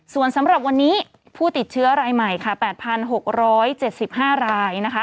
ส่วนสำหรับวันนี้ผู้ติดเชื้อรายใหม่ค่ะ๘๖๗๕รายนะคะ